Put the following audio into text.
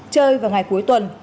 chơi vào ngày cuối tuần